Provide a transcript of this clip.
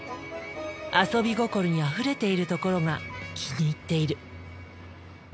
遊び心にあふれているところが気に入っている。